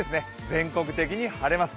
全国的に晴れます。